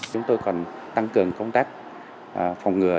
chúng tôi còn tăng cường công tác phòng ngừa